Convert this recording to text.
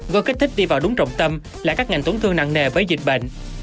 gói kích thích đi vào đúng trọng tâm là các ngành tổn thương nặng nề với dịch bệnh